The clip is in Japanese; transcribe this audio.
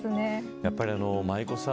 やっぱり舞子さん